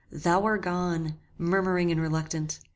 Thou are gone! murmuring and reluctant!